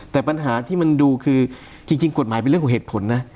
แต่ปัญหาที่มันดูคือจริงกฎหมายเป็นเรื่องของเหตุผลนะ